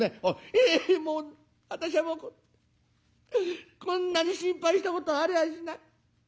「えもう私はもうこんなに心配したことはありゃあしない。